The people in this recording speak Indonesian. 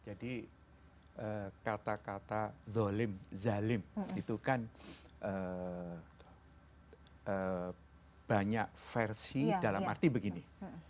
jadi kata kata zolim zalim itu kan banyak versi dalam arti begini